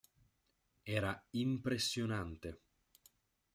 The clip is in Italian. Era impressionante.